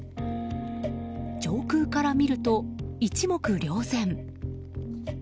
上空から見ると一目瞭然。